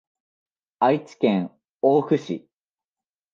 愛知県大府市